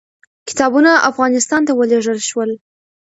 کتابونه افغانستان ته ولېږل شول.